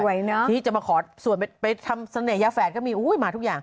ที่จะมาขอส่วนไปทำเสน่หยาแฝดก็มีมาทุกอย่าง